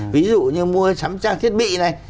ví dụ như mua sắm trang thiết bị này